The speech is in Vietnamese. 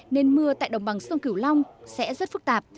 nên mưa tại đồng bằng sông cửu long sẽ rất phức tạp